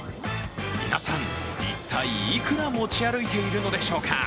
皆さん、一体いくら持ち歩いているのでしょうか。